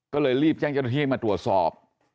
ก็เลยรีบแจ้งเจ้าหน้าที่ให้มาตรวจสอบ